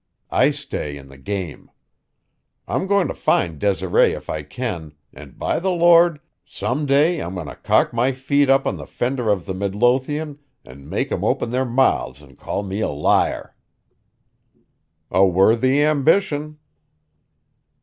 I stay in the game. I'm going to find Desiree if I can, and, by the Lord, some day I'm going to cock my feet up on the fender at the Midlothian and make 'em open their mouths and call me a liar!" "A worthy ambition."